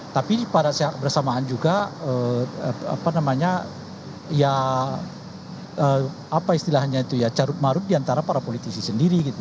tapi pada saat bersamaan juga apa namanya ya apa istilahnya itu ya carut marut diantara para politisi sendiri gitu